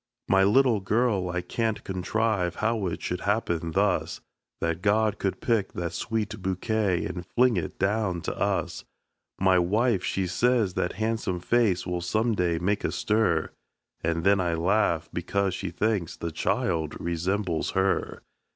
My little girl I can't contrive how it should happen thus That God could pick that sweet bouquet, and fling it down to us! My wife, she says that han'some face will some day make a stir; And then I laugh, because she thinks the child resembles her.